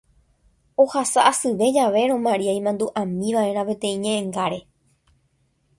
Ohasa asyve javérõ Maria imandu'ámiva'erã peteĩ ñe'ẽngáre